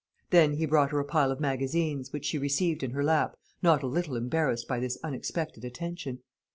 Then he brought her a pile of magazines, which she received in her lap, not a little embarrassed by this unexpected attention.